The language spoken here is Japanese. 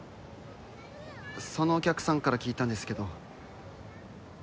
そのお客さんから聞いたんですけど